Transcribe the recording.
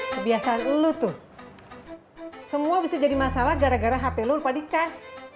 kebiasaan lo tuh semua bisa jadi masalah gara gara hp lo lupa dicas